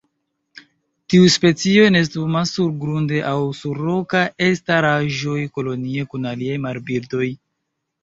Tiu specio nestumas surgrunde aŭ sur rokaj elstaraĵoj kolonie kun aliaj marbirdoj.